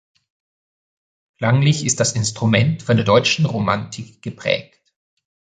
Klanglich ist das Instrument von der deutschen Romantik geprägt.